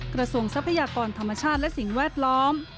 ทรัพยากรธรรมชาติและสิ่งแวดล้อม